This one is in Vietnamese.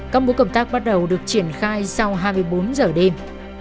các buổi cộng tác bắt đầu được triển khai sau hai mươi bốn giờ đêm